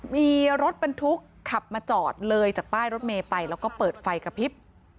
มีรถบรรทุกขับมาจอดเลยจากป้ายรถเมย์ไปแล้วก็เปิดไฟกระพริบ